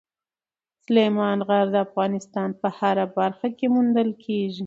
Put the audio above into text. سلیمان غر د افغانستان په هره برخه کې موندل کېږي.